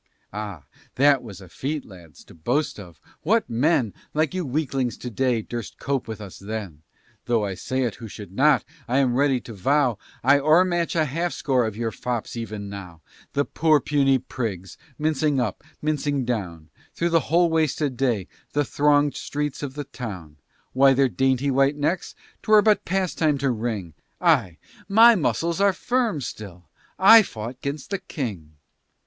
Ah! that was a feat, lads, to boast of! What men Like you weaklings to day had durst cope with us then? Though I say it who should not, I am ready to vow I'd o'ermatch a half score of your fops even now The poor puny prigs, mincing up, mincing down, Through the whole wasted day the thronged streets of the town: Why, their dainty white necks 'twere but pastime to wring Ay! my muscles are firm still; I fought 'gainst the King!